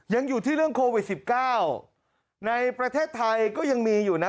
ยังอยู่ที่เรื่องโควิด๑๙ในประเทศไทยก็ยังมีอยู่นะ